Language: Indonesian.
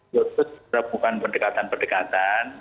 justru serah bukan pendekatan pendekatan